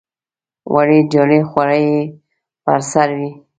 وړې جالۍ خولۍ یې پر سر وې.